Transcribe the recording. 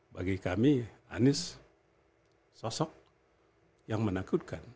bagi kami anies sosok yang menakutkan